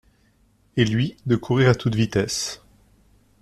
Et lui de courir à toute vitesse.